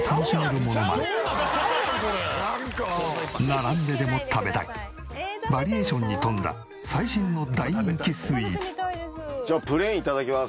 並んででも食べたいバリエーションに富んだ最新の大人気スイーツ。